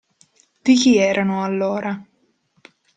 Di chi erano, allora?